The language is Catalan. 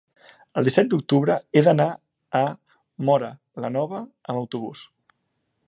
el disset d'octubre he d'anar a Móra la Nova amb autobús.